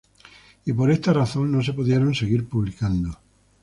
Y por esta razón no se pudieron seguir publicando.